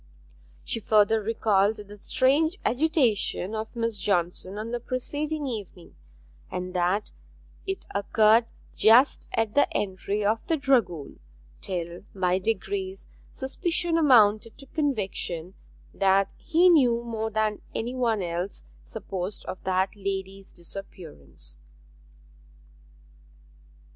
She further recalled the strange agitation of Miss Johnson on the preceding evening, and that it occurred just at the entry of the dragoon, till by degrees suspicion amounted to conviction that he knew more than any one else supposed of that lady's disappearance.